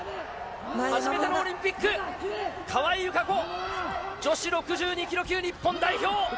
初めてのオリンピック、川井友香子、女子６２キロ日本代表。